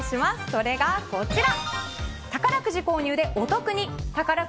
それがこちら。